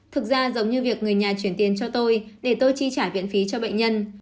thực ra giống như việc người nhà chuyển tiền cho tôi để tôi chi trả viện phí cho bệnh nhân